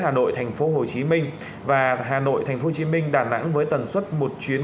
hà nội thành phố hồ chí minh và hà nội thành phố hồ chí minh đà nẵng với tần suất một chuyến